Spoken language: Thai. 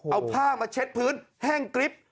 เอาผ้ามาเช็ดพื้นแห้งกริ๊บ